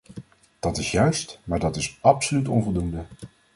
Dat is juist maar dat is absoluut onvoldoende.